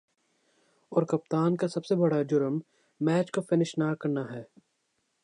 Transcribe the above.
اور کپتان کا سب سے بڑا"جرم" میچ کو فنش نہ کرنا ہے ۔